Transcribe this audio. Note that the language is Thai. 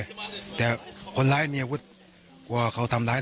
พอเขาเห็นที่เขามีอาการยังไงคะ